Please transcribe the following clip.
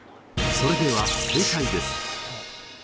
それでは正解です！